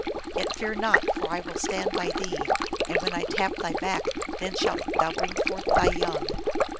Yet fear not, for I will THE PARTRIDGE. 285 stand by thee, and when I tap thy back, then shalt thou bring forth thy young